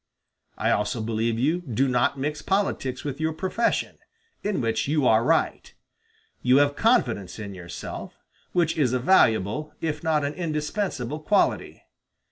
I also believe you do not mix politics with your profession, in which you are right. You have confidence in yourself, which is a valuable, if not an indispensable quality.